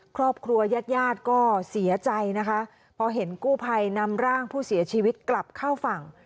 ครอบครัวยาดก็เสียใจนะคะพอเห็นกู้ภัยนำร่างผู้เสียชีวิตกลับเข้าฝั่ง